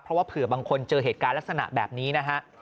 เพราะว่าเผื่อบางคนเจอเหตุการณ์ลักษณะแบบนี้นะฮะ